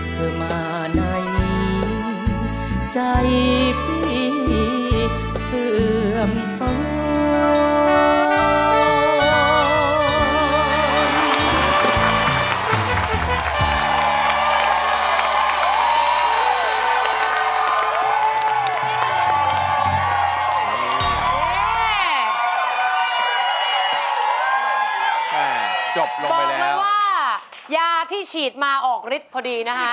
เธอมาในใจพี่เสื่อมซ้อน